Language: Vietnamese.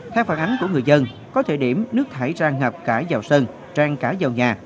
theo phản ánh của người dân có thời điểm nước thải ra ngập cả vào sân trang cả giàu nhà